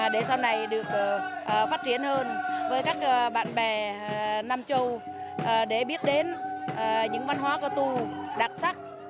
để sau này được phát triển hơn với các bạn bè nam châu để biết đến những văn hóa cơ tu đặc sắc